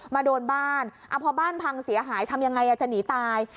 มาโดนบ้านพอบ้านพังเสียหายทำยังไงจะหนีตาย